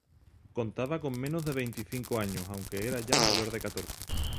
Contaba con menos de veinticinco años, aunque era ya mayor de catorce.